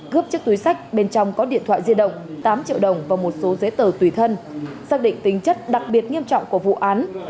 cướp chiếc túi sách bên trong có điện thoại di động tám triệu đồng và một số giấy tờ tùy thân xác định tính chất đặc biệt nghiêm trọng của vụ án